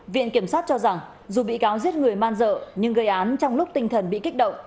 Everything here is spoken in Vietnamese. viện kiểm sát cho rằng dù bị cáo giết người man dợ nhưng gây án trong lúc tinh thần bị kích động